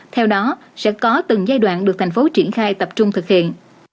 theo đó sẽ có từng giai đoạn được thành phố triển khai tập trung thực hiện